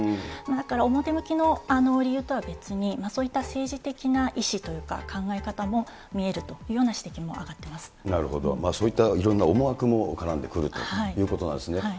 だから、表向きの理由とは別に、そういった政治的な意思というか、考え方も見えるというような指摘なるほど。そういったいろんな思惑も絡んでくるということなんですね。